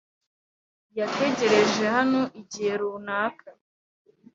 Yategereje hano igihe runaka.